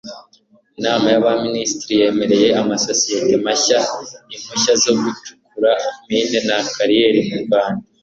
inama y'abaminisitiri yemereye amasosiyete mashya impushya zo gucukura mine na kariyeri mu rwanda